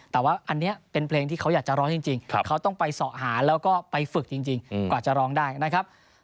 แต่ว่าอันนี้เป็นเพลงที่เขาอยากจะร้องจริงเขาต้องไปเสาะหาแล้วก็ไปฝึกจริงกว่าจะร้องได้นะครับ